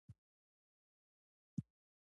هیله لرم چې ډیر ښه کار وکړو.